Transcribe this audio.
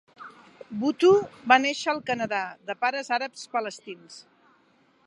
Buttu va néixer al Canadà de pares àrabs palestins.